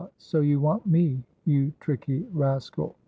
so you want me, you tricky rascal!"